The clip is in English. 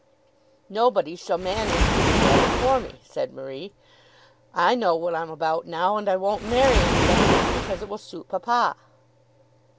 "Nobody shall manage this matter for me," said Marie. "I know what I'm about now, and I won't marry anybody just because it will suit papa."